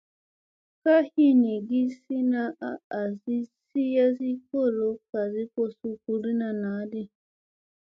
Ka hinigi sina a asi sii yasi kolo ko suu gurɗiina naa di.